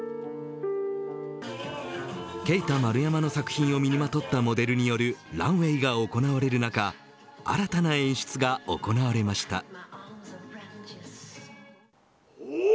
ＫＥＩＴＡＭＡＲＵＹＡＭＡの作品を身にまとったモデルによるランウェイが行われる中新たな演出が行われました。